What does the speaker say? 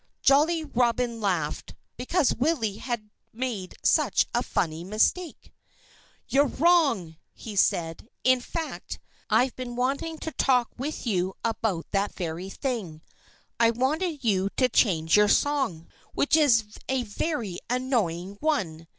Jolly Robin laughed, because Willie had made such a funny mistake. "You're wrong!" he said. "In fact, I've been wanting to talk with you about that very thing. I want you to change your song, which is a very annoying one.